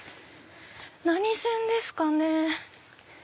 何線ですかね。